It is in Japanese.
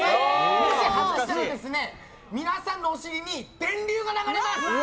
もし外したら皆さんのお尻に電流が流れます。